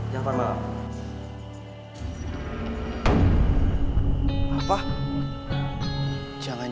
jam delapan malam